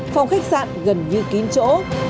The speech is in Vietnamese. phòng khách sạn gần như kín chỗ